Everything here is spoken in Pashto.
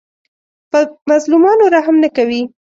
په مظلومانو رحم نه کوي